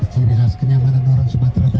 jadi khas kenyamanan orang sumatera barat